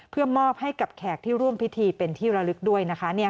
เพื่อมอบให้กับแขกที่ร่วมพิธีเป็นที่ระลึกด้วยนะคะ